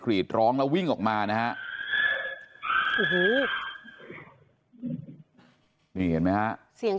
รีดร้องแล้ววิ่งออกมานะฮะโอ้โหนี่เห็นไหมฮะเสียง